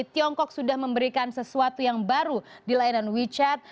tiongkok sudah memberikan sesuatu yang baru di layanan wechat